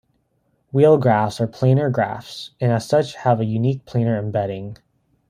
Wheel graphs are planar graphs, and as such have a unique planar embedding.